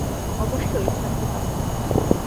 অবশ্যই থাকতে পারে।